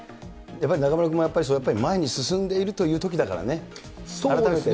やっぱり中丸君も、前に進んでいるというときだからね、改めて。